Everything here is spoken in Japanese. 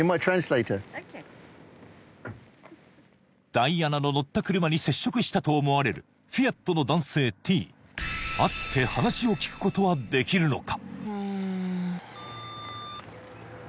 ダイアナの乗った車に接触したと思われるフィアットの男性Ｔ会って話を聞くことはできるのか？